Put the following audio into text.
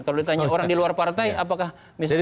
kalau ditanya orang di luar partai apakah misalnya